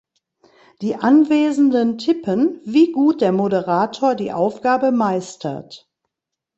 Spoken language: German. Die Anwesenden tippen, wie gut der Moderator die Aufgabe meistert.